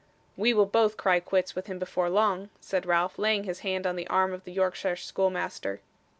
'We will both cry quits with him before long,' said Ralph, laying his hand on the arm of the Yorkshire schoolmaster.